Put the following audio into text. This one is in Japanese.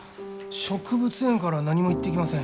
植物園からは何も言ってきません。